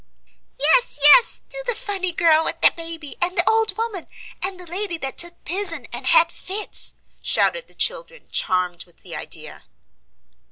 "Yes, yes! do the funny girl with the baby, and the old woman, and the lady that took pison and had fits!" shouted the children, charmed with the idea.